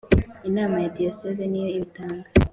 Inama ya Diyoseze ni yo ibitangaza